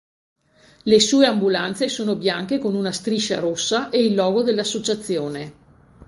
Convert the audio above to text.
Le sue ambulanze sono bianche con una striscia rossa e il logo dell'associazione.